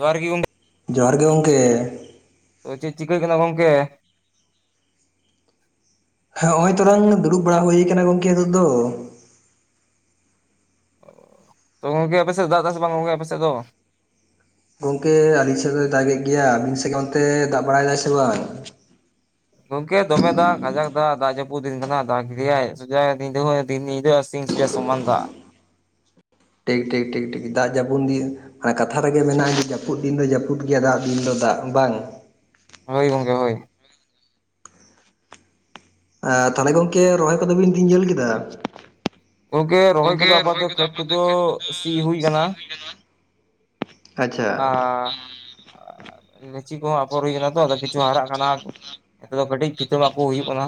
ᱡᱚᱦᱟᱨ ᱜᱤ ᱜᱚᱝ ᱡᱚᱦᱟᱨ ᱜᱮ ᱜᱚᱝᱠᱮ ᱪᱮᱫ ᱪᱤᱠᱟᱹ ᱠᱟᱱᱟ ᱜᱚᱝᱠᱮ? ᱦᱚᱸᱜᱼᱚᱭ ᱛᱚᱨᱟᱝ ᱫᱩᱲᱩᱵ ᱵᱟᱲᱟ ᱦᱩᱭ ᱠᱟᱱᱟ ᱜᱚᱝᱠᱮ ᱱᱤᱛᱚᱜ ᱫᱚ ᱛᱚ ᱜᱚᱝᱠᱮ ᱟᱯᱮ ᱥᱮᱫ ᱫᱟᱜ ᱫᱟᱭ ᱥᱮ ᱵᱟᱝ ᱜᱚᱝᱠᱮ ᱟᱯᱮ ᱥᱮᱫ ᱫᱚ ᱜᱚᱝᱠᱮ ᱟᱹᱞᱤᱧ ᱥᱮᱫ ᱫᱚᱭ ᱫᱟᱜᱮᱫ ᱜᱮᱭᱟ᱾ ᱟᱵᱤᱱ ᱥᱮᱜ ᱚᱱᱛᱮ ᱫᱟᱜ ᱵᱟᱲᱟᱭ ᱫᱟ ᱥᱮ ᱵᱟᱝ? ᱜᱚᱝᱠᱮ ᱫᱚᱢᱮ ᱫᱟᱜ ᱠᱟᱡᱟᱠ ᱫᱟᱜ ᱫᱟᱜ ᱡᱟᱹᱯᱩᱫ ᱫᱤᱱ ᱠᱟᱱᱟ ᱫᱟᱜ ᱜᱮᱭᱟᱭ [inaudible] ᱧᱤᱫᱟᱹ ᱤᱧ ᱥᱮᱭᱟᱜ ᱥᱚᱢᱟᱱ ᱫᱟᱜ ᱴᱷᱤᱠ ᱴᱷᱤᱠ ᱴᱷᱤᱠ ᱴᱷᱤᱠ ᱫᱟᱜ ᱡᱟᱹᱯᱩᱫ ᱫᱤᱱ ᱠᱟᱛᱷᱟ ᱨᱮᱜᱮ ᱢᱮᱱᱟᱜᱼᱟ ᱡᱮ ᱡᱟᱹᱯᱩᱫ ᱫᱤᱱ ᱫᱚ ᱡᱟᱹᱯᱩᱫ ᱜᱮᱭᱟ ᱫᱟᱜ ᱫᱤᱱ ᱫᱚ ᱫᱟᱜ ᱵᱟᱝ ᱦᱳᱭ ᱜᱚᱝᱠᱮ ᱦᱳᱭ ᱟᱸ ᱛᱟᱦᱚᱞᱮ ᱜᱚᱝᱠᱮ ᱨᱚᱦᱚᱭ ᱠᱚᱫᱚ ᱵᱤᱱ ᱛᱤᱱ ᱡᱷᱟᱹᱞ ᱠᱮᱫᱟ ᱜᱚᱝᱠᱮ ᱨᱚᱦᱚᱭ ᱠᱚᱫᱚ ᱟᱵᱚᱛᱮ ᱠᱷᱮᱛ ᱠᱚᱫᱚ ᱥᱤ ᱦᱩᱭ ᱠᱟᱱᱟ ᱟᱪᱷᱟ ᱞᱤᱪᱤ ᱠᱚᱦᱚᱸ ᱟᱯᱷᱚᱨ ᱦᱩᱭ ᱠᱟᱱᱟ ᱛᱚ ᱟᱫᱚ ᱠᱤᱪᱷᱩ ᱦᱟᱨᱟᱜ ᱠᱟᱱᱟ ᱱᱤᱛᱚᱜ ᱫᱚ ᱠᱟᱹᱴᱤᱡ ᱵᱷᱤᱛᱟᱹ ᱢᱟᱜ ᱠᱚ ᱦᱩᱭᱩᱜ ᱠᱟᱱᱟ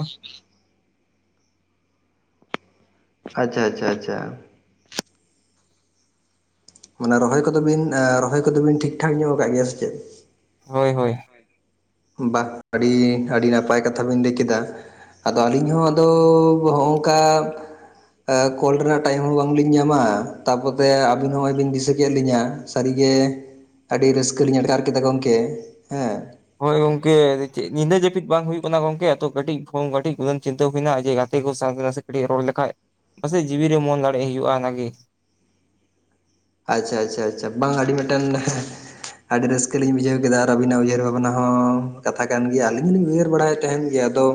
ᱟᱪᱷᱟ ᱟᱪᱷᱟ ᱟᱪᱷᱟ ᱢᱟᱱᱮ ᱨᱚᱦᱚᱭ ᱠᱚᱫᱚ ᱵᱤᱱ ᱨᱚᱦᱚᱭ ᱠᱚᱫᱚ ᱵᱤᱱ ᱴᱷᱤᱠ ᱴᱷᱟᱠ ᱧᱚᱜ ᱠᱟᱜ ᱜᱮᱭᱟ ᱥᱮ ᱪᱮᱫ? ᱦᱳᱭ ᱦᱳᱭ ᱵᱟᱦ ᱟᱹᱰᱤ ᱟᱹᱰᱤ ᱱᱟᱯᱟᱭ ᱠᱟᱛᱷᱟ ᱵᱤᱱ ᱞᱟᱹᱭ ᱠᱮᱫᱟ ᱟᱫᱚ ᱟᱹᱞᱤᱧ ᱦᱚᱸ ᱟᱫᱚ ᱦᱚᱸᱜᱼᱚᱝᱠᱟ ᱠᱚᱞ ᱨᱮᱱᱟᱜ ᱴᱟᱭᱤᱢ ᱦᱚᱸ ᱵᱟᱝ ᱞᱤᱧ ᱧᱟᱢᱟ ᱛᱟᱯᱚᱛᱮ ᱟᱹᱵᱤᱱ ᱦᱚᱸ ᱱᱚᱜᱼᱚᱭ ᱵᱤᱱ ᱫᱤᱥᱟᱹ ᱠᱮᱜ ᱞᱤᱧᱟ ᱥᱟᱹᱨᱤ ᱜᱮ ᱟᱹᱰᱤ ᱨᱟᱹᱥᱠᱟᱹ ᱞᱤᱧ ᱟᱴᱠᱟᱨ ᱠᱮᱫᱟ ᱜᱚᱝᱠᱮ ᱦᱮᱸ ᱦᱳᱭ ᱜᱚᱝᱠᱮ ᱪᱮᱫ ᱧᱤᱫᱟᱹ ᱡᱟᱹᱯᱤᱫ ᱵᱟᱝ ᱦᱩᱭᱩᱜ ᱠᱟᱱᱟ ᱜᱚᱝᱠᱮ ᱛᱚ ᱠᱟᱹᱴᱤᱡ ᱯᱷᱳᱱ ᱠᱟᱹᱴᱤᱡ ᱩᱱ ᱪᱤᱱᱛᱟᱹ ᱦᱩᱭ ᱱᱟ ᱡᱮ ᱜᱟᱛᱮ ᱠᱚ ᱥᱟᱣ ᱥᱤᱠᱲᱤ ᱨᱚᱲ ᱞᱮᱠᱷᱟᱡ ᱯᱟᱥᱮᱡ ᱡᱤᱣᱤ ᱨᱮ ᱢᱚᱱ ᱞᱟᱲᱮᱡ ᱦᱩᱭᱩᱜᱼᱟ ᱚᱱᱟᱜᱮ ᱟᱪᱷᱟ ᱟᱪᱷᱟ ᱟᱪᱷᱟ ᱵᱟᱝ ᱟᱹᱰᱤ ᱢᱤᱫ ᱴᱮᱱ ᱟᱹᱰᱤ ᱨᱟᱹᱥᱠᱟᱹ ᱞᱤᱧ ᱵᱩᱡᱷᱟᱹᱣ ᱠᱮᱫᱟ ᱟᱨ ᱟᱹᱵᱤᱱᱟᱜ ᱩᱭᱦᱟᱹᱨ ᱵᱷᱟᱵᱽᱱᱟ ᱦᱚᱸ ᱠᱟᱛᱷᱟ ᱠᱟᱱ ᱜᱮᱭᱟ ᱟᱹᱞᱤᱧ ᱦᱚᱸᱞᱤᱧ ᱩᱭᱦᱟᱹᱨ ᱵᱟᱲᱟᱭ ᱛᱟᱦᱮᱱ ᱜᱮᱭᱟ ᱟᱫᱚ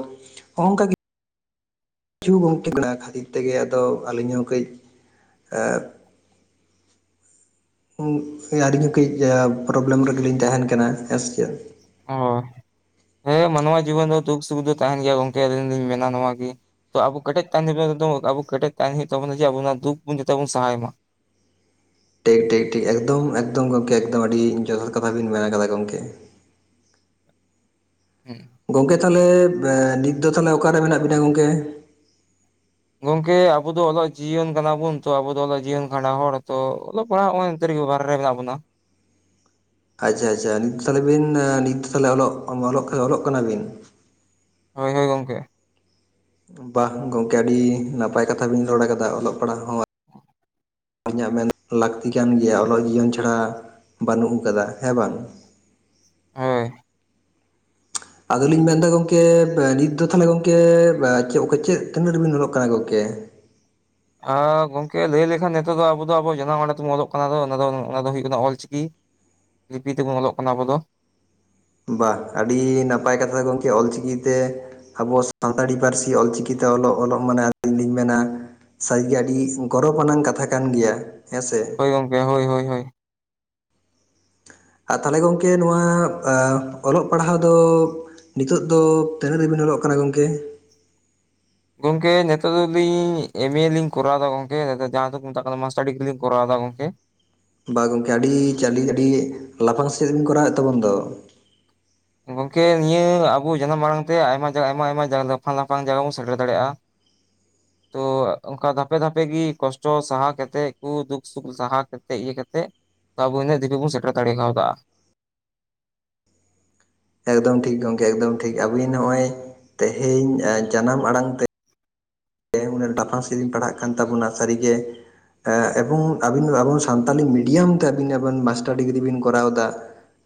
ᱚᱱᱠᱟ ᱜᱮ ᱠᱤᱪᱷᱩ ᱜᱚᱝᱠᱮ ᱠᱟᱱᱟ ᱠᱷᱟᱹᱛᱤᱨ ᱛᱮᱜᱮ ᱟᱫᱚ ᱟᱹᱞᱤᱧ ᱦᱚᱸ ᱠᱟᱹᱡ ᱟᱹᱞᱤᱧ ᱦᱚᱸ ᱠᱟᱹᱡ ᱯᱨᱚᱵᱽᱞᱮᱢ ᱨᱮᱜᱮ ᱞᱤᱧ ᱛᱟᱦᱮᱱ ᱠᱟᱱᱟ ᱦᱮᱸᱥᱮ ᱪᱮᱫ? ᱚ ᱦᱮᱸ ᱢᱟᱱᱣᱟ ᱡᱤᱵᱚᱱ ᱫᱚ ᱫᱩᱠ ᱥᱩᱠ ᱫᱚ ᱛᱟᱦᱮᱱ ᱜᱮᱭᱟ ᱜᱚᱢᱠᱮ ᱟᱹᱞᱤᱧ ᱞᱤᱧ ᱢᱮᱱᱟ ᱱᱚᱣᱟ ᱜᱮ ᱛᱚ ᱟᱵᱚ ᱠᱮᱴᱮᱡ ᱛᱟᱦᱮᱱ ᱦᱩᱭᱩᱜ ᱟᱵᱚ ᱠᱮᱴᱮᱡ ᱛᱟᱦᱮᱱ ᱦᱩᱭᱩᱜ ᱛᱟᱵᱚᱱᱟ ᱡᱮ ᱟᱵᱚ ᱫᱩᱠ ᱵᱚᱱ ᱡᱟᱛᱮ ᱵᱚᱱ ᱥᱟᱦᱟᱭ ᱢᱟ ᱴᱷᱤᱠ ᱴᱷᱤᱠ ᱴᱷᱤᱠ ᱮᱠᱫᱚᱢ ᱮᱠᱫᱚᱢ ᱜᱚᱢᱠᱮ ᱮᱠᱫᱚᱢ ᱟᱹᱰᱤ ᱡᱚᱛᱷᱟᱛ ᱠᱟᱛᱷᱟ ᱵᱤᱱ ᱢᱮᱱ ᱠᱟᱫᱟ ᱜᱚᱢᱠᱮ ᱦᱩᱸ ᱜᱚᱝᱠᱮ ᱛᱟᱞᱦᱮ ᱮᱸ ᱱᱤᱛ ᱫᱚ ᱛᱟᱞᱦᱮ ᱚᱠᱟᱨᱮ ᱢᱮᱱᱟᱜ ᱵᱤᱱᱟ ᱜᱚᱝᱠᱮ ᱜᱚᱝᱠᱮ ᱟᱵᱚ ᱫᱚ ᱚᱞᱚᱜ ᱡᱤᱭᱚᱱ ᱠᱟᱱᱟᱵᱚᱱ ᱛᱚ ᱟᱵᱚ ᱫᱚ ᱚᱞᱚᱜ ᱡᱤᱭᱚᱱ ᱠᱷᱟᱸᱰᱟ ᱦᱚᱲ ᱛᱚ ᱚᱞᱚᱜ ᱚᱞᱚᱜ ᱯᱟᱲᱦᱟᱣ ᱱᱚᱜᱚᱭ ᱱᱚᱛᱮ ᱵᱟᱦᱨᱮ ᱨᱮᱜᱮ ᱢᱮᱱᱟᱜ ᱵᱚᱱᱟ ᱟᱪᱪᱷᱟ ᱟᱪᱪᱷᱟ ᱱᱤᱛ ᱛᱟᱞᱦᱮ ᱵᱤᱱ ᱱᱤᱛ ᱛᱟᱞᱦᱮ ᱚᱞᱚᱜ ᱚᱞᱚᱜ ᱚᱞᱚᱜ ᱠᱟᱱᱟ ᱵᱤᱱ ᱦᱳᱭ ᱦᱳᱭ ᱜᱚᱢᱠᱮ ᱵᱟᱦ ᱜᱚᱝᱠᱮ ᱟᱹᱰᱤ ᱱᱟᱯᱟᱭ ᱠᱟᱛᱷᱟ ᱵᱤᱱ ᱨᱚᱲ ᱟᱠᱟᱫᱟ ᱚᱞᱚᱜ ᱯᱟᱲᱦᱟᱜ ᱦᱚᱸ ᱤᱧᱟᱹᱜ ᱢᱮᱱ ᱞᱟᱹᱠᱛᱤ ᱠᱟᱱ ᱜᱮᱭᱟ ᱚᱞᱚᱜ ᱡᱤᱭᱚᱱ ᱪᱷᱟᱲᱟ ᱵᱟᱹᱱᱩᱜ ᱟᱠᱟᱫᱟ ᱦᱮᱸ ᱵᱟᱝ ᱦᱳᱭ ᱟᱫᱚᱞᱤᱧ ᱢᱮᱱᱫᱟ ᱜᱚᱢᱠᱮ ᱱᱤᱛ ᱫᱚ ᱛᱟᱦᱚᱞᱮ ᱜᱚᱢᱠᱮ ᱪᱮᱫ ᱛᱤᱱᱟᱹᱜ ᱨᱮᱵᱤᱱ ᱫᱩᱲᱩᱵ ᱠᱟᱱᱟ ᱜᱚᱝᱠᱮ? ᱜᱚᱝᱠᱮ ᱞᱟᱹᱭ ᱞᱮᱠᱷᱟᱱ ᱱᱤᱛᱚᱜ ᱫᱚ ᱟᱵᱚ ᱡᱟᱱᱟᱢ ᱟᱲᱟᱝ ᱛᱮᱵᱚᱱ ᱚᱞᱚᱜ ᱠᱟᱱᱟ ᱚᱱᱟ ᱫᱚ ᱦᱩᱭᱩᱜ ᱠᱟᱱᱟ ᱚᱞ ᱪᱤᱠᱤ ᱞᱤᱯᱤ ᱛᱮᱵᱚᱱ ᱚᱞᱚᱜ ᱠᱟᱱᱟ ᱟᱵᱚ ᱫᱚ ᱵᱟᱦ ᱟᱹᱰᱤ ᱱᱟᱯᱟᱭ ᱠᱟᱛᱷᱟ ᱜᱚᱢᱠᱮ ᱚᱞ ᱪᱤᱠᱤ ᱛᱮ ᱟᱵᱚ ᱥᱟᱱᱛᱟᱲᱤ ᱯᱟᱹᱨᱥᱤ ᱚᱞᱪᱤᱠᱤᱛᱮ ᱚᱞᱚᱜ ᱚᱞᱚᱜ ᱢᱟᱱᱮ ᱟᱹᱞᱤᱧ ᱞᱤᱧ ᱢᱮᱱᱟ ᱥᱟᱹᱨᱤᱜᱮ ᱟᱹᱰᱤ ᱜᱚᱨᱚᱵ ᱟᱱᱟᱝ ᱠᱟᱛᱷᱟ ᱠᱟᱱ ᱜᱮᱭᱟ ᱦᱮᱸ ᱥᱮ ᱜᱚᱢᱠᱮ ᱦᱳᱭ ᱦᱳᱭ ᱦᱳᱭ ᱟᱨ ᱛᱟᱞᱦᱮ ᱜᱚᱝᱠᱮ ᱱᱚᱣᱟ ᱮᱸᱜ ᱚᱞᱚᱜ ᱯᱟᱲᱦᱟᱣ ᱫᱚ ᱱᱤᱛᱚᱜ ᱫᱚ ᱛᱤᱱᱟᱹᱜ ᱨᱮᱵᱤᱱ ᱚᱞᱚᱜ ᱠᱟᱱᱟ ᱜᱚᱝᱠᱮ ᱜᱚᱝᱠᱮ ᱱᱤᱛᱚᱜ ᱫᱚ ᱞᱤᱧ ᱮᱢ ᱮ ᱞᱤᱧ ᱠᱚᱨᱟᱣ ᱮᱫᱟ ᱜᱚᱝᱠᱮ ᱟᱫᱚ ᱡᱟᱦᱟᱸ ᱫᱚᱠᱚ ᱢᱮᱛᱟᱜ ᱠᱟᱱᱟ ᱢᱟᱥᱴᱟᱨ ᱰᱤᱜᱽᱨᱤ ᱞᱤᱧ ᱠᱚᱨᱟᱣᱫᱟ ᱜᱚᱝᱠᱮ ᱵᱟ ᱜᱚᱝᱠᱮ ᱟᱹᱰᱤ ᱪᱟᱹᱞᱤ ᱟᱹᱰᱤ ᱞᱟᱯᱷᱟᱝ ᱥᱮᱫ ᱵᱤᱱ ᱠᱚᱨᱟᱣᱮᱫ ᱛᱟᱵᱚᱱ ᱫᱚ ᱜᱚᱝᱠᱮ ᱱᱤᱭᱟᱹ ᱟᱵᱚ ᱡᱟᱱᱟᱢ ᱟᱲᱟᱝᱛᱮ ᱟᱭᱢᱟ ᱡᱟᱭᱜᱟ ᱟᱭᱢᱟ ᱟᱭᱢᱟ ᱡᱟᱭᱜᱟ ᱞᱟᱯᱷᱟᱝ ᱞᱟᱯᱷᱟᱝ ᱡᱟᱭᱜᱟ ᱵᱚᱱ ᱥᱮᱴᱮᱨ ᱫᱟᱲᱮᱭᱟᱜᱼᱟ ᱛᱚ ᱚᱱᱠᱟ ᱫᱷᱟᱯᱮ ᱫᱷᱟᱯᱮ ᱜᱮ ᱠᱚᱥᱴᱚ ᱥᱟᱦᱟ ᱠᱟᱛᱮᱫ ᱠᱚ ᱫᱩᱠ ᱥᱩᱠ ᱥᱟᱦᱟ ᱠᱟᱛᱮ ᱤᱭᱟᱹ ᱠᱟᱛᱮᱫ ᱛᱚ ᱟᱵᱚ ᱤᱱᱟᱹᱜ ᱫᱤᱠᱩ ᱵᱚᱱ ᱥᱮᱴᱮᱨ ᱫᱟᱲᱮ ᱠᱟᱣᱫᱟ ᱮᱠᱫᱚᱢ ᱴᱷᱤᱠ ᱜᱚᱢᱠᱮ ᱮᱠᱫᱚᱢ ᱴᱷᱤᱠ ᱟᱵᱤᱱ ᱱᱚᱜᱼᱚᱭ ᱛᱮᱦᱮᱧ ᱡᱟᱱᱟᱢ ᱟᱲᱟᱝ ᱛᱮ ᱛᱮᱦᱮᱧ ᱞᱟᱯᱷᱟᱝ ᱥᱮᱫᱤᱧ ᱯᱟᱲᱦᱟᱜ ᱠᱟᱱ ᱛᱟᱵᱚᱱᱟ ᱥᱟᱹᱨᱤᱜᱮ ᱮᱸᱜ ᱮᱵᱚᱝ ᱟᱵᱤᱱ ᱟᱵᱚ ᱥᱟᱱᱛᱟᱞᱤ ᱢᱤᱰᱤᱭᱟᱢ ᱛᱮ ᱢᱟᱥᱴᱟᱨ ᱰᱤᱜᱽᱨᱤ ᱵᱤᱱ ᱠᱚᱨᱟᱣ ᱮᱫᱟ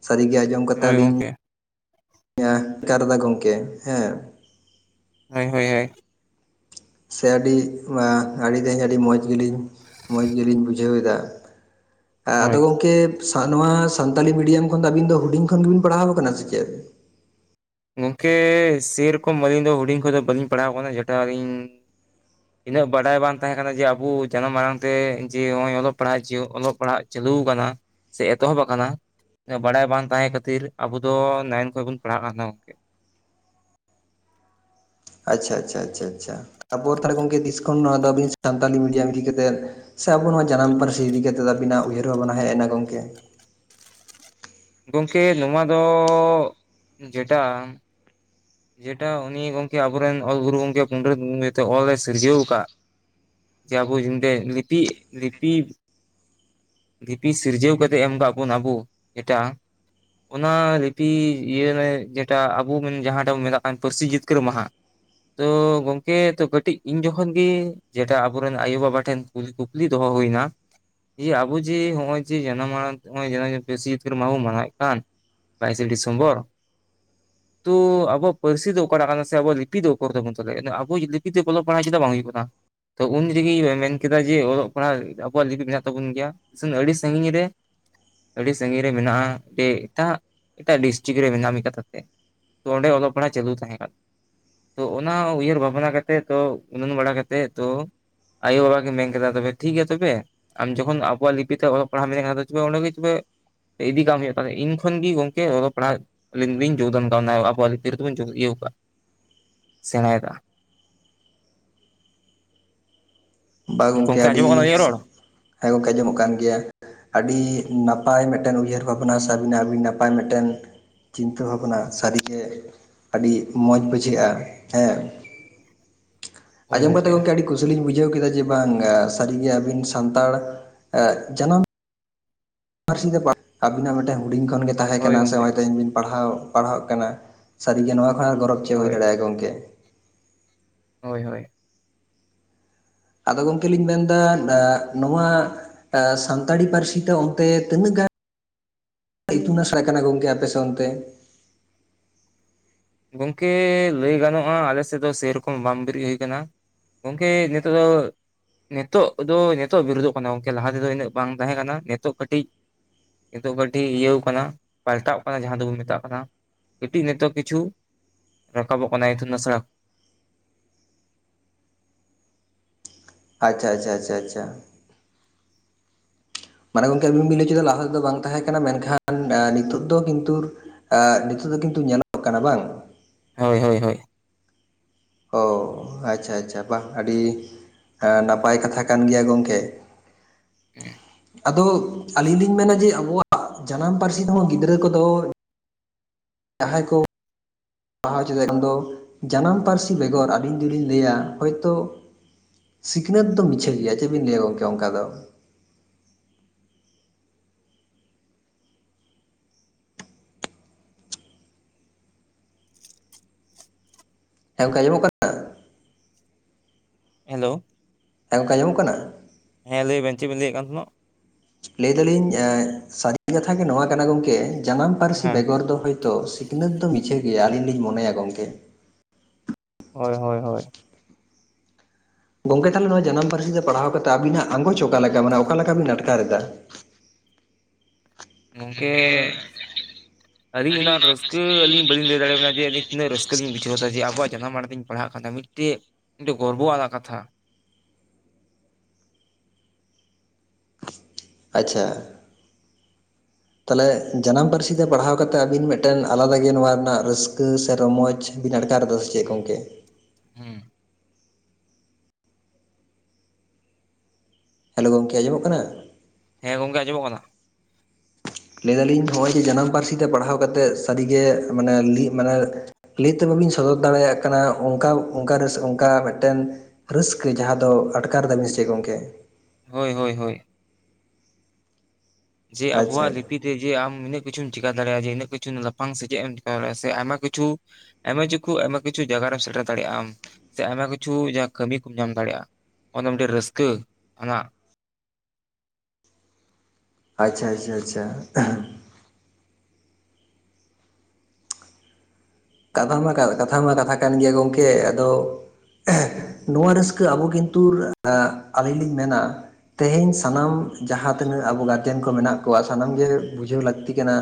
ᱥᱟᱹᱨᱤᱜᱮ ᱟᱸᱡᱚᱢ ᱠᱟᱛᱮᱜ ᱦᱳᱭ ᱟᱹᱞᱤᱧ ᱜᱚᱝᱠᱮ [unintelligible] ᱜᱚᱢᱠᱮ ᱦᱮᱸ ᱦᱳᱭ ᱦᱳᱭ ᱦᱳᱭ ᱥᱮ ᱟᱹᱰᱤ ᱮᱸ ᱟᱹᱰᱤ ᱜᱮ ᱟᱹᱰᱤ ᱢᱚᱡᱽ ᱜᱮᱞᱤᱧ ᱢᱚᱡᱽ ᱜᱮᱞᱤᱧ ᱵᱩᱡᱷᱟᱹᱣᱮᱫᱟ ᱦᱮᱸ ᱟᱫᱚ ᱦᱳᱭ ᱜᱚᱝᱠᱮ ᱱᱚᱣᱟ ᱥᱟᱱᱛᱟᱞᱤ ᱢᱤᱰᱤᱭᱟᱢ ᱠᱷᱚᱱ ᱫᱚ ᱟᱹᱵᱤᱱ ᱫᱚ ᱦᱩᱰᱤᱧ ᱠᱷᱚᱱ ᱜᱮᱵᱤᱱ ᱯᱟᱲᱦᱟᱣ ᱠᱟᱱᱟ ᱥᱮ ᱪᱮᱫ ᱜᱚᱝᱠᱮ ᱥᱮᱨᱚᱠᱚᱢ ᱟᱹᱞᱤᱧ ᱫᱚ ᱦᱩᱰᱤᱧ ᱠᱷᱚᱱᱫᱚ ᱵᱟᱹᱞᱤᱧ ᱯᱟᱲᱦᱟᱣ ᱠᱟᱱᱟ ᱡᱮᱴᱟ ᱟᱹᱞᱤᱧ ᱤᱱᱟᱹᱜ ᱵᱟᱰᱟᱭ ᱵᱟᱝ ᱛᱟᱦᱮᱸ ᱠᱟᱱᱟ ᱡᱮ ᱟᱵᱚ ᱡᱟᱱᱟᱢ ᱟᱲᱟᱝ ᱛᱮ ᱡᱮ ᱱᱚᱜ-ᱚᱭ ᱯᱟᱲᱦᱟᱜ ᱚᱞᱚᱜ ᱯᱟᱲᱦᱟᱜ ᱪᱟᱹᱞᱩ ᱟᱠᱟᱱᱟ ᱥᱮ ᱮᱛᱚᱦᱚᱵ ᱟᱠᱟᱱᱟ ᱵᱟᱲᱟᱭ ᱵᱟᱝ ᱛᱟᱦᱮᱸ ᱠᱷᱟᱹᱛᱤᱨ ᱟᱵᱚ ᱫᱚ ᱱᱟᱭᱤᱱ ᱠᱷᱚᱱ ᱵᱚᱱ ᱯᱟᱲᱦᱟᱜ ᱠᱟᱱ ᱛᱟᱦᱮᱱᱟ ᱟᱪᱪᱷᱟ ᱟᱪᱪᱷᱟ ᱟᱪᱪᱷᱟ ᱟᱪᱷᱟ ᱟᱪᱪᱷᱟ ᱛᱟᱯᱚᱨ ᱛᱟᱞᱦᱮ ᱜᱚᱝᱠᱮ ᱛᱤᱥ ᱠᱷᱚᱱ ᱱᱚᱣᱟ ᱫᱚ ᱥᱟᱱᱛᱟᱞ ᱢᱤᱰᱤᱭᱟᱢ ᱤᱫᱤ ᱠᱟᱛᱮᱫ ᱥᱮ ᱟᱵᱚ ᱱᱚᱣᱟ ᱡᱟᱱᱟᱢ ᱯᱟᱹᱨᱥᱤ ᱤᱫᱤ ᱠᱟᱛᱮᱫ ᱟᱵᱤᱱᱟᱜ ᱩᱭᱦᱟᱹᱨ ᱵᱷᱟᱵᱚᱱᱟ ᱦᱮᱡ ᱮᱱᱟ ᱜᱚᱢᱠᱮ ᱜᱚᱢᱠᱮ ᱱᱚᱣᱟ ᱫᱚ ᱡᱮᱴᱟ ᱡᱮᱴᱟ ᱩᱱᱤ ᱜᱚᱝᱠᱮ ᱟᱵᱚᱨᱮᱱ ᱚᱞ ᱜᱩᱨᱩ ᱜᱚᱝᱠᱮ ᱯᱚᱱᱰᱤᱛ ᱱᱚᱛᱮ ᱚᱞᱮ ᱥᱤᱨᱡᱟᱹᱣ ᱟᱠᱟᱫ ᱡᱮ ᱟᱵᱚ ᱡᱤᱱ ᱛᱮᱫ ᱞᱤᱯᱤ ᱞᱤᱯᱤ ᱞᱤᱯᱤ ᱥᱤᱨᱡᱟᱹᱣ ᱠᱟᱛᱮᱫ ᱮᱢ ᱟᱠᱟ ᱵᱚᱱ ᱟᱵᱚ ᱡᱮᱴᱟ ᱚᱱᱟ ᱞᱤᱯᱤ ᱤᱭᱟᱹ ᱨᱮ ᱡᱮᱴᱟ ᱟᱵᱚ ᱵᱚᱱ ᱡᱟᱦᱟᱸ ᱵᱚᱱ ᱢᱮᱛᱟᱜ ᱠᱟᱱ ᱯᱟᱹᱨᱥᱤ ᱡᱤᱛᱠᱟᱹᱨ ᱢᱟᱦᱟ ᱛᱚ ᱜᱚᱝᱠᱮ ᱛᱚ ᱠᱟᱹᱴᱤᱡ ᱤᱧ ᱡᱚᱠᱷᱚᱱ ᱜᱤ ᱡᱮᱴᱟ ᱟᱵᱚᱨᱮᱱ ᱟᱭᱳ ᱵᱟᱵᱟ ᱴᱷᱮᱱ ᱠᱩᱞ ᱠᱩᱯᱞᱤ ᱫᱚᱦᱚ ᱦᱩᱭᱱᱟ ᱡᱮ ᱟᱵᱚ ᱡᱮ ᱦᱚᱸᱜᱼᱚᱭ ᱡᱮ ᱡᱟᱱᱟᱢ ᱟᱲᱟᱝ ᱱᱚᱜ-ᱚᱭ ᱯᱟᱹᱨᱥᱤ ᱡᱤᱛᱠᱟᱹᱨ ᱢᱟᱦᱟ ᱵᱚᱱ ᱢᱟᱱᱟᱣᱮᱫ ᱠᱟᱱ ᱵᱟᱭᱤᱥᱮ ᱰᱤᱥᱮᱢᱵᱚᱨ ᱛᱚ ᱟᱵ ᱟᱵᱚᱣᱟᱜ ᱯᱟᱹᱨᱥᱤ ᱫᱚ ᱚᱠᱟᱴᱟᱜ ᱠᱟᱱᱟ ᱥᱮ ᱟᱵᱚᱣᱟᱜ ᱞᱤᱯᱤ ᱫᱚ ᱚᱠᱚᱨ ᱛᱟᱵᱚᱱ ᱛᱟᱞᱮ ᱟᱵᱚ ᱞᱤᱯᱤ ᱛᱮ ᱚᱞᱚᱜ ᱯᱟᱲᱦᱟᱜ ᱪᱮᱫᱟᱜ ᱵᱟᱝ ᱦᱩᱭᱩᱜ ᱠᱟᱱᱟ ᱛᱚ ᱩᱱᱨᱮᱜᱮ ᱢᱮᱱ ᱠᱮᱫᱟ ᱡᱮ ᱚᱞᱚᱜ ᱯᱟᱲᱦᱟᱜ ᱟᱵᱚᱣᱟᱜ ᱟᱵᱚᱣᱟᱜ ᱞᱤᱯᱤ ᱢᱮᱱᱟᱜ ᱛᱟᱵᱚᱱ ᱜᱮᱭᱟ [inaudible] ᱟᱹᱰᱤ ᱥᱟᱺᱜᱤᱧ ᱨᱮ ᱟᱹᱰᱤ ᱥᱟᱺᱜᱤᱧ ᱨᱮ ᱢᱮᱱᱟᱜᱼᱟ ᱛᱮ ᱮᱴᱟᱜ ᱮᱴᱟᱜ ᱰᱤᱥᱴᱤᱠ ᱨᱮ ᱢᱮᱱᱟᱜᱼᱟ ᱢᱤᱫ ᱠᱟᱛᱷᱟ ᱛᱮ ᱛᱚ ᱚᱸᱰᱮ ᱚᱞᱚᱜ ᱯᱟᱲᱦᱟᱜ ᱪᱟᱹᱞᱩ ᱛᱟᱦᱮᱸ ᱠᱟᱱᱟ ᱛᱚ ᱚᱱᱟ ᱩᱭᱦᱟᱹᱨ ᱵᱷᱟᱵᱽᱱᱟ ᱠᱟᱛᱮᱜ ᱛᱚ ᱩᱱᱟᱹᱱ ᱵᱟᱲᱟ ᱠᱟᱛᱮ ᱛᱚ ᱟᱭᱳ ᱟᱲᱟᱝ ᱠᱤᱱ ᱢᱮᱱ ᱠᱮᱫᱟ ᱛᱚᱵᱮ ᱴᱷᱤᱠ ᱜᱮᱭᱟ ᱛᱚᱵᱮ ᱟᱢ ᱡᱚᱠᱷᱚᱱ ᱟᱵᱚᱣᱟᱜ ᱞᱤᱯᱤ ᱛᱮ ᱚᱞᱚᱜ ᱯᱟᱲᱦᱟᱜ [inaudible] [inaudible] ᱛᱚᱵᱮ ᱤᱫᱤ ᱠᱟᱢ ᱦᱩᱭᱩᱜ-ᱟ ᱛᱟᱞᱦᱮ ᱤᱱ ᱠᱷᱚᱱ ᱜᱮ ᱜᱚᱝᱠᱮ ᱚᱞᱚᱜ ᱯᱟᱲᱦᱟᱜ ᱟᱞᱤᱧ ᱫᱚᱞᱤᱧ ᱡᱳᱜᱽᱫᱟᱱ ᱠᱟᱫᱟ ᱟᱵᱚᱣᱟᱜ ᱠᱤᱯᱤ ᱛᱮ [inaudible] ᱥᱮᱬᱟᱭᱮᱫ ᱟ ᱵᱟ ᱜᱚᱢᱠᱮ ᱜᱚᱝᱠᱮ ᱟᱹᱰᱤ ᱟᱸᱡᱚᱢᱚᱜ ᱠᱟᱱᱟ ᱟᱹᱞᱤᱧᱟᱜ ᱨᱚᱲ ᱦᱮ ᱜᱚᱢᱠᱮ ᱟᱸᱡᱚᱢᱚᱜ ᱠᱟᱱ ᱜᱮᱭᱟ ᱟᱹᱰᱤ ᱱᱟᱯᱟᱭ ᱢᱤᱫ ᱴᱮᱱ ᱩᱭᱦᱟᱹᱨ ᱵᱷᱟᱵᱽᱱᱟ ᱥᱮ ᱟᱹᱵᱤᱱᱟᱜ ᱟᱹᱰᱤ ᱱᱟᱯᱟᱭ ᱢᱤᱫ ᱴᱮᱱ ᱪᱤᱱᱛᱟᱹ ᱵᱷᱟᱵᱽᱱᱟ ᱥᱟᱹᱨᱤᱜᱮ ᱟᱹᱰᱤ ᱢᱚᱡᱽ ᱵᱩᱡᱷᱟᱹᱜᱼᱟ ᱦᱮᱸ [inaudible] ᱟᱸᱡᱚᱢ ᱠᱟᱛᱮᱫ ᱜᱚᱝᱠᱮ ᱟᱹᱰᱤ ᱠᱩᱥᱤᱞᱤᱧ ᱵᱩᱡᱷᱟᱹᱣ ᱠᱮᱫᱟ ᱡᱮ ᱵᱟᱝ ᱥᱟᱹᱨᱤᱜᱮ ᱟᱹᱵᱤᱱ ᱥᱟᱱᱛᱟᱲ ᱡᱟᱱᱟᱢ [inaudible] ᱟᱵᱤᱱᱟᱜ ᱢᱤᱫᱴᱮᱱ ᱦᱩᱰᱤᱧ ᱠᱷᱚᱱᱜᱮ ᱛᱟᱦᱮᱸ ᱦᱳᱭ ᱠᱟᱱᱟ ᱥᱮ ᱱᱚᱜ ᱜᱚᱝᱠᱮ ᱚᱭ ᱛᱮᱦᱮᱧ ᱵᱤᱱ ᱯᱟᱲᱦᱟᱣ ᱯᱟᱲᱦᱟᱜ ᱠᱟᱱᱟ ᱥᱟᱹᱨᱤᱜᱮ ᱱᱚᱣᱟ ᱠᱷᱚᱱ ᱟᱨ ᱜᱚᱨᱚᱵ ᱪᱮᱫ ᱦᱩᱭ ᱦᱳᱭ ᱫᱟᱲᱮᱭᱟᱜᱼᱟ ᱜᱚᱝᱠᱮ ᱦᱳᱭ ᱦᱳᱭ ᱟᱫᱚ ᱜᱚᱢᱠᱮ ᱞᱤᱧ ᱢᱮᱱᱫᱟ ᱮᱻ ᱱᱚᱶᱟ ᱥᱟᱱᱛᱟᱲᱤ ᱯᱟᱹᱨᱥᱤ ᱛᱮ ᱚᱱᱛᱮ ᱛᱤᱱᱟᱹᱜ ᱜᱟᱱ? ᱤᱛᱩᱱ ᱟᱥᱲᱟ ᱠᱟᱱᱟ ᱜᱚᱝᱠᱮ ᱟᱯᱮ ᱥᱮ ᱚᱱᱛᱮ ᱜᱚᱢᱠᱮ ᱞᱟᱹᱭ ᱜᱟᱱᱚᱜᱼᱟ ᱟᱞᱮ ᱥᱮᱫ ᱫᱚ ᱥᱮᱨᱚᱠᱚᱢ ᱵᱟᱝ ᱵᱤᱨᱤᱫ ᱦᱩᱭ ᱟᱠᱟᱱᱟ ᱜᱚᱝᱠᱮ ᱱᱤᱛᱚᱜ ᱫᱚ ᱱᱤᱛᱚᱜ ᱫᱚ ᱱᱤᱛᱚᱜ ᱵᱤᱨᱩᱫᱚᱜ ᱠᱟᱱᱟ ᱜᱚᱝᱠᱮ ᱞᱟᱦᱟ ᱛᱮᱫᱚ ᱤᱱᱟᱹᱜ ᱵᱟᱝ ᱛᱟᱦᱮᱸ ᱠᱟᱱᱟ ᱱᱤᱛᱚᱜ ᱠᱟᱹᱴᱤᱡ ᱱᱤᱛᱚᱜ ᱠᱟᱹᱴᱤᱡ ᱤᱭᱟᱹᱣ ᱟᱠᱟᱱᱟ ᱯᱟᱞᱴᱟᱣ ᱠᱟᱱᱟ ᱡᱟᱦᱟ ᱫᱚᱵᱚᱱ ᱢᱮᱛᱟᱜ ᱠᱟᱱᱟ ᱠᱟᱹᱴᱤᱡ ᱱᱤᱛᱚᱜ ᱠᱤᱪᱷᱩ ᱨᱟᱠᱟᱵᱚᱜ ᱠᱟᱱᱟᱭ [inaudible] ᱟᱪᱷᱟ ᱟᱪᱷᱟ ᱟᱪᱷᱟ ᱟᱪᱷᱟ ᱢᱟᱱᱮ ᱜᱚᱝᱠᱮ ᱟᱵᱤᱱ ᱵᱤᱱ ᱞᱟᱹᱭ ᱚᱪᱚᱭ ᱫᱟ ᱞᱟᱦᱟ ᱛᱮᱫᱚ ᱵᱟᱝ ᱛᱟᱦᱮᱸ ᱠᱟᱱᱟ ᱢᱮᱱᱠᱷᱟᱱ ᱱᱤᱛᱚᱜ ᱫᱚ ᱠᱤᱱᱛᱩᱨ ᱮᱻ ᱱᱤᱛᱚᱜ ᱫᱚ ᱠᱤᱱᱛᱩ ᱧᱮᱞᱚᱜ ᱠᱟᱱᱟ ᱵᱟᱝ? ᱦᱳᱭ ᱦᱳᱭ ᱦᱳᱭ ᱚᱻ ᱟᱪᱷᱟ ᱟᱪᱷᱟ ᱵᱟᱦ ᱟᱹᱰᱤ ᱱᱟᱯᱟᱭ ᱠᱟᱛᱷᱟ ᱠᱟᱱ ᱜᱮᱭᱟ ᱜᱚᱝᱠᱮ ᱟᱫᱚ ᱟᱹᱞᱤᱧ ᱞᱤᱧ ᱢᱮᱱᱟ ᱡᱮ ᱟᱵᱚᱣᱟᱜ ᱡᱟᱱᱟᱢ ᱯᱟᱹᱨᱥᱤ ᱛᱮᱦᱚᱸ ᱜᱤᱫᱽᱨᱟᱹ ᱠᱚᱫᱚ ᱡᱟᱦᱟᱸᱭ ᱠᱚ [inaudible] [inaudible] ᱩᱱ ᱫᱚ ᱡᱟᱱᱟᱢ ᱯᱟᱹᱨᱥᱤ ᱵᱮᱜᱚᱨ ᱟᱹᱵᱤᱱ ᱡᱩᱫᱤᱧ ᱞᱟᱹᱭᱟ ᱦᱚᱭᱛᱳ ᱥᱤᱠᱷᱱᱟᱹᱛ ᱫᱚ ᱢᱤᱪᱷᱟᱹ ᱜᱮᱭᱟ ᱪᱮᱫᱵᱤᱱ ᱞᱟᱹᱭᱟ ᱜᱚᱝᱠᱮ ᱚᱱᱠᱟ ᱫᱚ ᱦᱮᱸ ᱜᱚᱝᱠᱮ ᱟᱸᱡᱟᱜ ᱠᱟᱱᱟ᱾ ᱦᱮᱞᱳ ᱦᱮᱸ ᱜᱚᱢᱠᱮ ᱟᱡᱚᱢᱚᱜ ᱠᱟᱱᱟ? ᱦᱮᱸ ᱞᱟᱹᱭᱵᱤᱱ ᱪᱮᱫ ᱵᱮᱱ ᱞᱟᱹᱭᱮᱫ ᱠᱟᱱ ᱛᱟᱦᱮᱱᱚᱜ? ᱞᱟᱹᱭᱫᱟᱞᱤᱧ ᱥᱟᱹᱨᱤ ᱠᱟᱛᱷᱟ ᱜᱮ ᱱᱚᱣᱟ ᱠᱟᱱᱟ ᱜᱚᱝᱠᱮ ᱡᱟᱱᱟᱢ ᱯᱟᱹᱨᱥᱤ ᱦᱮᱸ ᱵᱮᱜᱚᱨ ᱫᱚ ᱦᱚᱭᱛ ᱛᱚ ᱥᱤᱠᱷᱱᱟᱹᱛ ᱫᱚ ᱢᱤᱪᱷᱟᱹ ᱜᱮᱭᱟ ᱟᱹᱞᱤᱧ ᱞᱤᱧ ᱢᱚᱱᱮᱭᱟ ᱜᱚᱝᱠᱮ ᱦᱳᱭ ᱦᱳᱭ ᱦᱳᱭ ᱜᱚᱝᱠᱮ ᱠᱷᱟᱱ ᱱᱚᱭ ᱡᱟᱱᱟᱢ ᱯᱟᱹᱨᱥᱤ ᱛᱮ ᱯᱟᱲᱦᱟᱣ ᱠᱟᱛᱮᱫ ᱟᱵᱤᱱᱟᱜ ᱟᱸᱜᱚᱪ ᱚᱠᱟ ᱞᱮᱠᱟ ᱢᱟᱱᱮ ᱚᱠᱟ ᱞᱮᱠᱟ ᱵᱤᱱ ᱟᱴᱠᱟᱨ ᱮᱫᱟ? ᱜᱚᱝᱠᱮ ᱟᱹᱞᱤᱧ ᱚᱱᱟ ᱨᱟᱹᱥᱠᱟᱹ ᱟᱹᱞᱤᱧ ᱵᱟᱹᱞᱤᱧ ᱞᱟᱹᱭ ᱫᱟᱲᱮᱭᱟ ᱵᱮᱱᱟ ᱡᱮ ᱛᱤᱱᱟᱜ ᱨᱟᱹᱥᱠᱟᱹ ᱞᱤᱧ ᱵᱩᱷᱟᱹᱣ ᱮᱫᱟ ᱡᱮ ᱟᱵᱚᱣᱟᱜ ᱡᱟᱱᱟᱢ ᱟᱲᱟᱝ ᱛᱤᱧ ᱯᱟᱲᱦᱟᱜ ᱠᱟᱱᱟ ᱢᱤᱫᱴᱮᱱ ᱢᱤᱫᱴᱮᱱ ᱜᱚᱨᱵᱚ ᱟᱱᱟᱜ ᱠᱟᱛᱷᱟ ᱟᱪᱪᱷᱟ ᱛᱟᱦᱚᱞᱮ ᱡᱟᱱᱟᱢ ᱯᱟᱹᱨᱥᱤ ᱛᱮ ᱯᱟᱲᱦᱟᱣ ᱠᱟᱛᱮ ᱟᱵᱤᱱ ᱢᱤᱫᱴᱮᱱ ᱟᱞᱟᱫᱟ ᱜᱮ ᱱᱚᱣᱟ ᱨᱮᱱᱟᱜ ᱨᱟᱹᱥᱠᱟᱹ ᱥᱮ ᱨᱚᱢᱚᱡᱽ ᱵᱤᱱ ᱟᱴᱠᱟᱨ ᱮᱫᱟ? ᱪᱮᱫ ᱦᱩᱸ ᱜᱚᱝᱠᱮ᱾ ᱦᱩᱸ ᱦᱮᱞᱳ ᱜᱚᱢᱠᱮ ᱟᱸᱡᱚᱢᱚᱜ ᱠᱟᱱᱟ? ᱦᱮᱸ ᱜᱚᱝᱠᱮ ᱟᱡᱸᱚᱢᱚᱜ ᱠᱟᱱᱟ᱾ ᱞᱟᱹᱭ ᱫᱟᱞᱤᱧ ᱱᱚᱜᱼᱚᱭ ᱡᱮ ᱡᱟᱱᱟᱢ ᱯᱟᱹᱨᱥᱤ ᱛᱮ ᱯᱟᱲᱦᱟᱣ ᱠᱟᱛᱮᱫ ᱥᱟᱹᱨᱤᱜᱮ ᱢᱟᱱᱮ ᱢᱟᱱᱮ ᱞᱟᱹᱭ ᱛᱮ ᱵᱟᱹᱵᱤᱱ ᱥᱚᱫᱚᱨ ᱫᱟᱲᱮᱭᱟᱜ ᱠᱟᱱᱟ ᱚᱱᱠᱟ ᱚᱱᱠ ᱨᱮ ᱚᱱᱠᱟ ᱢᱤᱫᱴᱮᱱ ᱨᱟᱹᱥᱠᱟᱹ ᱡᱟᱦᱟᱸ ᱫᱚ ᱟᱴᱠᱟᱨᱫᱟ ᱢᱤᱥᱴᱮ ᱜᱚᱢᱠᱮ? ᱦᱳᱭ ᱦᱳᱭ ᱦᱳᱭ ᱡᱮ ᱟᱪᱪᱷᱟ ᱟᱵᱚᱣᱟᱜ ᱞᱤᱯᱤ ᱡᱮ ᱟᱢ ᱤᱱᱟᱹ ᱠᱤᱪᱷᱩ ᱪᱮᱟᱹ ᱫᱟᱲᱮᱭᱟᱜᱼᱟ ᱡ ᱤᱱᱟᱹ ᱠᱤᱪᱷᱩ ᱞᱟᱷᱟᱝ ᱥᱮᱪᱮᱫ ᱮᱢ ᱪᱮᱠᱟ ᱫᱟᱲᱮᱭᱟᱜᱼᱟ ᱥᱮ ᱟᱭᱢᱟᱤᱪᱷᱩ ᱟᱭᱢᱟ ᱠᱤᱪᱩ ᱟᱭᱢᱟ ᱠᱤᱪᱷᱩ ᱡᱟᱭᱜᱟᱟᱨᱢ ᱥᱮᱴᱮᱨ ᱫᱟᱲᱮᱭᱟᱜᱼᱟᱢ ᱥᱮ ᱟᱭᱢᱟ ᱠᱤᱪᱷᱩ ᱡᱟᱦᱟᱸ ᱠᱟᱹᱢᱤ ᱠᱚᱢ ᱧᱟᱢ ᱫᱟᱲᱮᱭᱟᱜᱼᱟ᱾ ᱚᱱᱟ ᱫᱚ ᱢᱤᱫᱴᱮᱱ ᱨᱟᱹᱥᱠᱟᱹ ᱟ ᱟᱪᱪᱷᱟ ᱟᱪᱪᱷᱟ ᱟᱪᱪᱷᱟ ᱠᱟᱛᱷᱟ ᱢᱟ ᱠᱟᱛᱷᱟ ᱢᱟ ᱠᱟᱛᱷᱟ ᱠᱟᱱ ᱜᱮᱭᱟ ᱜᱚᱢᱠᱮ, ᱟᱫᱚ ᱱᱚᱣᱟ ᱨᱟᱹᱥᱠᱟᱹ ᱟᱵᱚ ᱠᱤᱱᱛᱩ ᱟᱹᱞᱤᱧ ᱞᱤᱧ ᱢᱮᱱᱟ, ᱛᱮᱦᱮᱧ ᱥᱟᱱᱟᱢ ᱡᱟᱦᱟᱸ ᱛᱤᱱᱟᱹᱜ ᱟᱵᱚ ᱜᱟᱨᱡᱮᱱ ᱠᱚ ᱢᱮᱱᱟᱜ ᱠᱚᱣᱟ ᱥᱟᱱᱟᱢ ᱜᱮ ᱵᱩᱡᱷᱟᱹᱣ ᱞᱟᱹᱠᱛᱤ ᱠᱟᱱᱟ᱾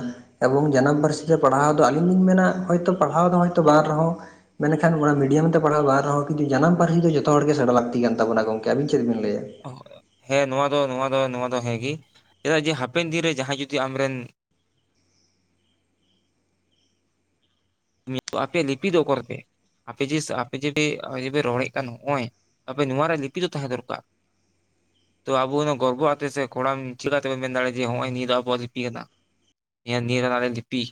ᱮᱵᱚᱝ ᱡᱟᱱᱟᱢ ᱯᱟᱹᱨᱥᱤ ᱛᱮ ᱯᱟᱲᱦᱟᱣ ᱫᱚ ᱟᱹᱞᱤᱧ ᱞᱤᱧ ᱢᱮᱱᱟᱭᱛ ᱯᱟᱲᱦᱟᱣ ᱫᱚᱭᱛ ᱵᱟᱝ ᱨᱮᱦᱚᱸ ᱢᱮᱱᱠᱷᱟᱱ ᱚᱱᱟ ᱢᱤᱰᱤᱭᱟᱢ ᱯᱟᱲᱦᱟᱣ ᱵᱟᱝ ᱨᱮᱦᱚᱸ ᱠᱤᱱᱛᱩ ᱡᱟᱱᱟᱢ ᱯᱟᱹᱨᱥᱤᱦ ᱫᱚ ᱡᱚᱛᱚ ᱦᱚᱲ ᱜᱮ ᱥᱮᱬᱟ ᱞᱟᱹᱠᱛᱤ ᱠᱟᱱᱟᱵᱚᱱᱟ ᱜᱚᱢᱠᱮ ᱟᱵᱤᱱ ᱪᱮᱫ ᱵᱤᱱ ᱞᱟᱹᱭᱟ? ᱦᱮᱸ ᱱᱚᱣᱟ ᱫᱚ ᱱᱚᱣᱟ ᱫᱚ ᱱᱚᱣᱟ ᱫᱚ ᱦᱮᱸ ᱜᱮ ᱪᱮᱫᱟᱜ ᱡᱮ ᱦᱟᱯᱮᱱ ᱫᱤᱱ ᱨᱮ ᱡᱟᱦᱟᱸᱭ ᱡᱩᱫᱤ ᱟᱢᱨᱮᱱ ᱟᱯᱮ ᱞᱤᱯᱤ ᱫᱚ ᱚᱠᱚᱨ ᱯᱮ ᱟᱯᱮ ᱡ ᱟᱯᱮ ᱡᱩᱫᱤ ᱡᱮ ᱨᱚᱲᱮᱫ ᱠᱟᱱ ᱱᱚᱜᱼᱚᱭ ᱟᱯᱮ ᱱᱚᱣᱟ ᱨᱮᱭᱟᱜ ᱞᱤᱯᱤ ᱫᱚ ᱛᱟᱦᱮᱸ ᱫᱚᱨᱠᱟᱨ ᱛᱚ ᱟᱵᱚ ᱚᱱᱟ ᱜᱚᱨᱵᱚ ᱟᱛᱮ ᱥᱮ ᱠᱚᱲᱟᱢ ᱪᱤᱠᱟᱛᱮᱵᱚᱱ ᱢᱮᱱᱟᱲᱮᱼᱟ ᱡᱮ ᱱᱚᱜ ᱚᱚᱭ ᱱᱤᱭᱟᱹ ᱫᱚ ᱟᱵᱚᱣᱟᱜ ᱞᱤᱯᱤ ᱠᱟᱱᱟ᱾ ᱧᱮᱞ ᱱᱮ ᱞᱤᱯᱤ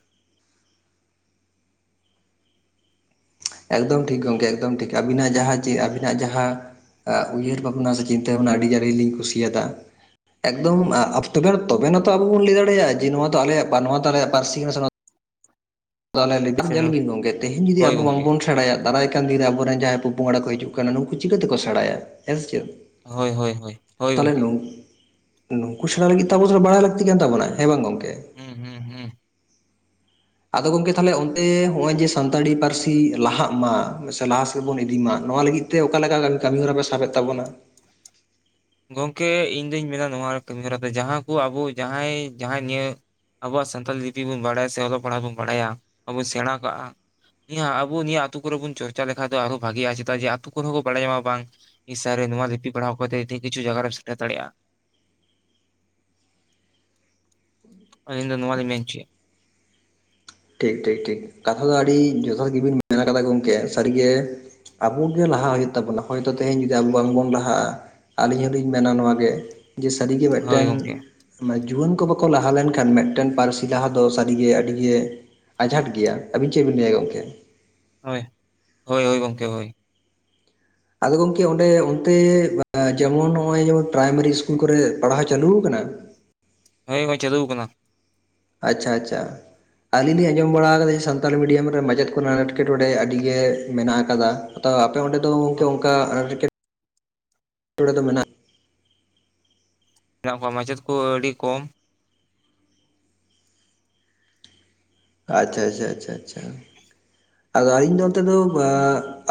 ᱮᱠᱫᱚᱢ ᱴᱷᱤᱠ ᱜᱚᱢᱠᱮ ᱮᱠᱫᱚᱢ ᱴᱷᱤᱠ ᱟᱹᱵᱤᱱᱟᱜ ᱡᱟᱦᱟᱸ ᱪᱮᱫ ᱟᱹᱵᱤᱱᱟᱜ ᱡᱟᱦᱟᱸ ᱩᱭᱦᱟᱹᱨ ᱵᱷᱟᱵᱽᱱᱟ ᱥᱮ ᱪᱤᱱᱛᱟᱹ ᱵᱷᱟᱵᱽᱱᱟ ᱟᱹᱰᱤ ᱡᱟᱹᱨᱞᱤᱞᱤᱧ ᱠᱩᱥᱤᱭᱟᱫᱟ᱾ ᱮᱠᱫᱚᱢ ᱛᱚᱵᱮ ᱛᱚᱵᱮᱛᱚ ᱟᱵᱚ ᱵᱚᱱ ᱞᱟᱹᱭ ᱫᱟᱲᱮᱭᱟᱜᱼᱟ ᱡᱮ ᱱᱚᱣᱟ ᱟᱞᱮᱭᱟᱜ ᱱᱚᱣᱟ ᱛ ᱟᱞᱮ ᱯᱟᱹᱨᱥᱤ ᱥᱮ ᱡᱚᱞᱵᱤ ᱜᱚᱝᱜᱮ ᱛᱮᱦᱮᱧ ᱡᱩᱫᱤ ᱦᱳᱭ ᱟᱵᱚ ᱜᱚᱢᱠᱮ ᱵᱟᱝᱵᱚᱱ ᱥᱮᱬᱟᱭᱟ ᱫᱟᱨᱟᱭ ᱠᱟᱱ ᱫᱮ ᱟᱵᱚᱨᱮᱱ ᱡᱟᱦᱟᱸᱭ ᱯᱚ ᱯᱚᱝᱲᱟ ᱠᱚ ᱦᱤᱡᱩᱜ ᱠᱟᱱᱟ ᱱᱩᱠᱩ ᱪᱤᱠᱟᱹᱛᱮᱠᱚ ᱥᱮᱬᱟᱭᱟ ᱦᱮᱸ ᱥᱮ ᱪᱮ ᱦᱳᱭ ᱦᱳᱭ ᱦᱳᱭ ᱦᱳᱭ ᱜᱚᱝᱠᱮ ᱱᱩᱠᱩ ᱥᱮᱬᱟ ᱞᱟᱹᱜᱤᱫ ᱛᱵᱚᱷᱚᱲᱟ ᱵᱟᱲᱟᱭ ᱞᱟᱹᱠᱛᱤ ᱠᱟᱱ ᱛᱟᱵᱚᱱᱟ ᱦᱮᱸ ᱵᱟᱝ ᱜᱚᱝᱠᱮ ᱦᱩᱸ ᱦᱩᱸ ᱦᱩᱸ ᱟᱫᱚ ᱜᱚᱢᱠᱮ ᱛᱟᱦᱚᱞᱮ ᱚᱱᱛᱮ ᱱᱚᱜ ᱚᱚᱭ ᱡᱮ ᱥᱟᱱᱛᱟᱲᱤ ᱯᱟᱹᱨᱥᱤ ᱞᱟᱦᱟᱜ ᱢᱟ ᱥᱮ ᱞᱟᱦᱟ ᱥᱮᱫ ᱵᱚᱱ ᱤᱫᱤ ᱢᱟ ᱱᱚᱣᱟ ᱞᱟᱹᱜᱤᱫ ᱛᱮ ᱛᱮ ᱚᱠᱟ ᱞᱮᱠᱟ ᱠᱟᱹᱢᱤ ᱠᱟᱹᱢᱤ ᱦᱚᱨᱟ ᱯᱮ ᱥᱟᱵᱮᱫ ᱛᱟᱵᱚᱱᱟ, ᱜᱚᱢᱠᱮ ᱤᱧᱫᱩᱧ ᱢᱮᱱᱟ ᱱᱚᱣᱟ ᱠᱟᱹᱢᱤᱦᱚᱨᱟ ᱫᱚ ᱡᱟᱦᱟᱸ ᱠᱚ ᱟᱵᱚ ᱡᱟᱦᱟᱸᱭ ᱡᱟᱦᱟᱸᱭ ᱱᱤᱭᱟᱹ ᱟᱵᱚᱣᱟᱜ ᱥᱟᱱᱛᱟᱞ ᱞᱤᱯᱤ ᱵᱚᱱ ᱵᱟᱲᱟᱭᱟ ᱥᱮ ᱚᱞᱚᱜ ᱯᱟᱲᱦᱟᱜ ᱵᱚᱱ ᱵᱟᱲᱟᱭᱟ ᱟᱵᱚ ᱥᱮᱬᱟ ᱠᱟᱜᱼᱟ᱾ ᱱᱤᱭᱟ ᱟᱵᱚ ᱱᱤᱭᱟᱹ ᱟ ᱟᱹᱛᱩ ᱠᱚᱨᱮ ᱵᱚᱱ ᱪᱚᱨᱪᱟ ᱞᱮᱠᱷᱷᱟᱟᱱ ᱫᱚ ᱟᱨᱚ ᱵᱷᱟᱜᱤᱼᱟ ᱪᱮᱫᱟᱜ ᱡᱮ ᱟᱛᱳ ᱠᱚᱨᱮ ᱦᱚᱸ ᱠᱚ ᱵᱟᱲᱟᱭ ᱧᱟᱢᱟ ᱵᱟᱝ ᱤ ᱥᱟ ᱨᱮ ᱱᱚᱣᱟ ᱞᱤᱯᱤ ᱯᱟᱲᱦᱟᱣ ᱠᱟᱛᱮ ᱠᱤᱪᱷᱩ ᱡᱟᱭᱜᱟ ᱨᱮᱢ ᱥᱮᱴᱮᱨ ᱫᱟᱲᱮᱭᱟᱜᱼᱟ᱾ ᱟᱞᱤᱧ ᱫᱚ ᱱᱚ ᱱᱚᱣᱟᱣᱟᱤ ᱢᱮᱧᱪᱮ ᱴᱷᱤᱠ ᱴᱷᱤᱠ ᱴᱷᱤᱠ ᱠᱟᱛᱷᱟ ᱫᱚ ᱟᱹᱰᱤ ᱡᱚᱛᱷᱟᱛ ᱜᱮᱵᱤᱱ ᱢᱮᱱ ᱠᱟᱫᱟ ᱜᱚᱢᱠᱮ ᱥᱟᱹᱨᱤᱜᱮ ᱟᱵᱚ ᱜᱮ ᱞᱟᱦᱟ ᱦᱩᱭᱩᱜ ᱛᱟᱵᱚᱱᱟ ᱦᱚᱭᱛᱳ ᱛᱮᱦᱤᱧ ᱡᱩᱫᱤ ᱟᱵᱚ ᱵᱟᱝᱵᱚᱱ ᱞᱟᱦᱟᱜᱼᱟ᱾ ᱟᱹᱞᱤᱧ ᱦᱚᱞᱤᱧ ᱢᱮᱱᱟ ᱱᱚᱣᱟᱜᱮ ᱡᱮ ᱥᱟᱹᱨᱤᱜᱮ ᱦᱳᱭ ᱢᱤᱫᱴᱮᱱ ᱜᱚᱝᱠᱮ ᱡᱩᱣᱟᱹᱱ ᱠᱚ ᱵᱟᱠᱚ ᱞᱟᱦᱟ ᱞᱮᱱᱠᱷᱟᱱ ᱢᱤᱫᱴᱮᱱ ᱯᱟᱹᱨᱥᱤ ᱞᱟᱦᱟ ᱫᱚ ᱥᱟᱹᱨᱤᱜᱮ ᱟᱹᱰᱤᱜᱮ ᱟᱡᱷᱟᱴ ᱜᱮᱭᱟ ᱟᱵᱤᱱ ᱪᱮᱫ ᱵᱤᱱ ᱞᱟᱹᱭᱟ ᱜᱚᱢᱠᱮ? ᱦᱳᱭ ᱦᱳᱭ ᱦᱳᱭ ᱜᱚᱢᱠᱮ ᱦᱳᱭ᱾ ᱟᱫᱚ ᱜᱚᱝᱠᱮ ᱚᱸᱰᱮ ᱚᱱᱛᱮ ᱡᱮᱢᱚᱱ ᱱᱚᱜ ᱚᱭ ᱡᱮᱢᱚᱱ ᱯᱨᱟᱭᱢᱟᱨᱤ ᱤᱥᱠᱩᱞ ᱠᱚᱨᱮ ᱯᱟᱲᱦᱟᱣ ᱪᱟᱞᱩ ᱟᱠᱟᱱᱟ ᱦᱳᱭ ᱢᱟ ᱪᱟᱹᱞᱩ ᱟᱠᱟᱱᱟ᱾ ᱟᱪᱪᱷᱟ, ᱟᱪᱪᱷᱟ᱾ ᱟᱹᱞᱤᱧ ᱞᱤᱧ ᱟᱸᱡᱚᱢ ᱵᱟᱲᱟ ᱟᱠᱟᱫᱟ ᱥᱟᱱᱛᱟᱞᱤ ᱢᱤᱰᱤᱭᱟᱢ ᱨᱮ ᱢᱟᱪᱮᱫ ᱠᱚᱨᱮᱱᱟᱜ ᱮᱸᱴᱠᱮᱴᱚᱬᱮ ᱟᱹᱰᱤ ᱜᱮ ᱢᱮᱱᱟᱜ ᱠᱟᱫᱟ? ᱛᱚ ᱟᱯᱮ ᱚᱸᱰᱮ ᱫᱚ ᱜᱚᱢᱠᱮ [inaudible] ᱢᱮᱱᱟᱜ ᱢᱮᱱᱟᱜ ᱠᱚᱣᱟ, ᱢᱟᱪᱮᱫ ᱠᱚ ᱟᱹᱰᱤ ᱠᱚᱢ ᱟᱪᱪᱷᱟ ᱪᱷᱟ ᱪᱷᱟ ᱟᱪᱷᱟ᱾ ᱟᱫᱚ ᱟᱹᱞᱤᱧ ᱫᱚ ᱚᱱᱛᱮ ᱫᱚ ᱟᱹᱵᱤᱱ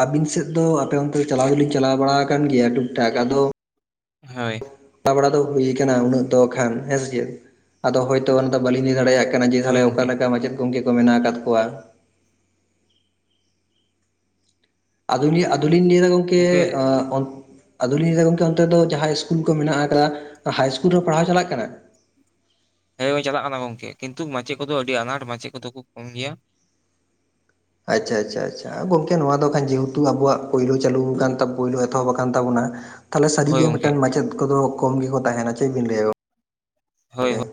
ᱟᱹᱞᱤᱧ ᱟᱫᱚ ᱚᱱᱛᱮ ᱫᱚ ᱟᱵᱤᱱ ᱥᱮᱫ ᱫᱚ ᱟᱯᱮ ᱚᱱᱛᱮ ᱫᱚ ᱪᱟᱞᱟᱣ ᱫᱚᱞᱤᱧ ᱪᱟᱞᱟᱣ ᱵᱟᱲᱟ ᱟᱠᱟᱱ ᱜᱮᱭᱟ ᱴᱩᱠ ᱴᱟᱠ ᱟᱫᱚ ᱦᱳᱭ᱾ ᱛᱟ ᱵᱟᱲᱟ ᱫᱚ ᱦᱩᱭ ᱠᱟᱱᱟ ᱩᱱᱟᱹᱜ ᱫᱚ ᱠᱷᱟᱱ ᱦᱮᱸ ᱥᱮᱫ, ᱟᱫᱚ ᱦᱚᱭᱛᱚ ᱚᱱᱟ ᱫᱚ ᱵᱟᱹᱞᱤᱧ ᱞᱟᱹᱭ ᱫᱟᱲᱮᱭᱟᱜ ᱦᱳᱭ ᱛᱟᱦᱞᱮ ᱚᱠᱟ ᱜᱚᱝᱠᱮ ᱞᱮᱠᱟ ᱢᱟᱪᱮᱫ ᱜᱚᱝᱠᱮ ᱠᱚ ᱢᱮᱱᱟᱜ ᱟᱠᱟᱫ ᱠᱚᱣᱟ? ᱟᱫᱩ- ᱟᱫᱩᱞᱤᱧ ᱞᱟᱹᱭᱟ ᱫᱟ ᱜᱚᱝᱠᱮ ᱟᱫᱚᱞᱤᱧ ᱞᱟᱹᱭᱫᱟ ᱜᱚᱢᱠᱮ ᱚᱱᱛᱮ ᱫᱚ ᱡᱟᱦᱟᱸᱭ ᱤᱥᱠᱩᱞ ᱠᱚ ᱢᱮᱱᱟᱜᱟ ᱛᱟᱦᱚᱞᱮ ᱦᱟᱭ ᱤᱥᱠᱩᱞ ᱨᱮ ᱦᱚ ᱯᱟᱲᱦᱟᱣ ᱪᱟᱞᱟᱜ ᱠᱟᱱᱟ? ᱦᱮᱸ ᱪᱟᱞᱟᱜ ᱠᱟᱱᱟ ᱜᱚᱢᱠᱮ, ᱠᱤᱱᱛᱩ ᱢᱟᱪᱮᱫ ᱠᱚᱫᱚ ᱟᱹᱰᱤ ᱟᱱᱟᱴ ᱢᱟᱪᱮᱫ ᱠᱚᱫᱚ ᱠᱚ ᱠᱚᱢ ᱜᱮᱭᱟ᱾ ᱟᱪᱪᱷᱟ, ᱟᱪᱪᱷᱟ, ᱟᱪᱪᱷᱟ ᱜᱚᱝᱠᱮ ᱱᱚᱣᱟ ᱫᱚ ᱠᱷᱟᱱ ᱡᱮᱦᱮᱛᱩ ᱟᱵᱚᱣᱟᱜ ᱯᱩᱭᱞᱳ ᱪᱟᱹᱞᱩ ᱠᱟᱱ ᱯᱩᱭᱞᱳ ᱮᱛᱚᱦᱚᱵ ᱟᱠᱟᱱ ᱛᱟᱵᱚᱱᱟ᱾ ᱛᱟᱦᱚᱞᱮ ᱥᱟᱹᱨᱤ ᱦᱳᱭ ᱜᱮ ᱢᱤᱫ ᱜᱚᱝᱠᱮ ᱴᱟᱱ ᱢᱟᱪᱮᱫ ᱠᱚᱫᱚ ᱠᱚᱢ ᱜᱮᱠᱚ ᱛᱟᱦᱮᱱᱟ ᱪᱮᱫ ᱵᱤᱱ ᱞᱟᱹᱭᱟ ᱦᱳᱭ᱾ ᱜᱚᱝᱠᱮ?